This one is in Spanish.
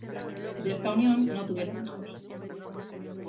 De esta unión no tuvieron hijos.